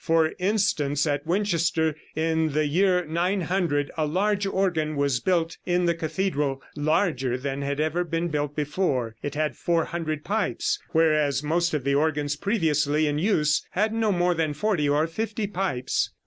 For instance, at Winchester, in the year 900, a large organ was built in the cathedral larger than had ever been built before. It had 400 pipes, whereas most of the organs previously in use had no more than forty or fifty pipes.